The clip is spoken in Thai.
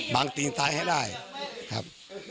บางตีนซ้ายให้ได้ครับ